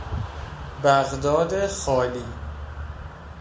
بغداد خالی